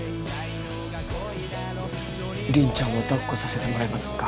凛ちゃんを抱っこさせてもらえませんか。